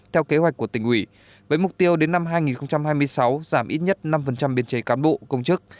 theo kế hoạch của tỉnh ủy với mục tiêu đến năm hai nghìn hai mươi sáu giảm ít nhất năm biên chế cán bộ công chức